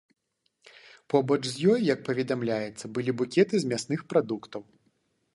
Побач з ёй, як паведамляецца, былі букеты з мясных прадуктаў.